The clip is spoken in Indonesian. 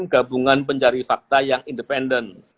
gabungan pencari fakta yang independen